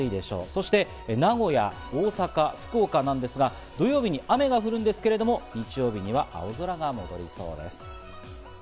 そして名古屋、大阪、福岡なんですが土曜日に雨が降るんですが、日曜日には青空が戻ってきそうです。